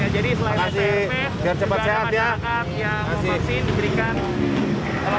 jadi selain strp juga masyarakat yang mau vaksin diberikan